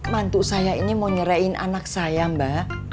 mantu saya ini mau nyerahin anak saya mba